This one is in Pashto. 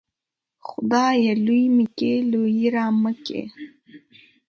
خدايه! لوى مې کې ، لويي رامه کې.